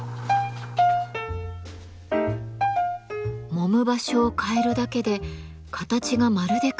もむ場所を変えるだけで形がまるで変わりました。